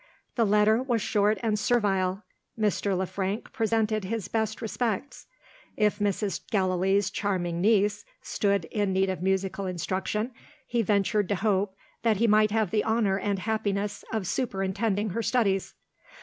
The letter was short and servile. Mr. Le Frank presented his best respects. If Mrs. Gallilee's charming niece stood in need of musical instruction, he ventured to hope that he might have the honour and happiness of superintending her studies.